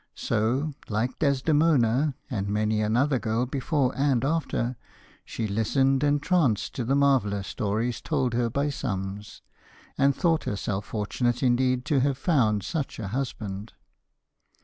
So, like Desdemona and many another girl before and after, she listened entranced to the marvellous stories told her by Summs, and thought herself fortunate indeed to have found such a husband.